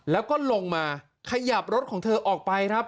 แล้วก็ลงมาขยับรถของเธอออกไปครับ